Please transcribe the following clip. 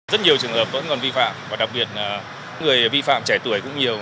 rất nhiều trường hợp vẫn còn vi phạm và đặc biệt là người vi phạm trẻ tuổi cũng nhiều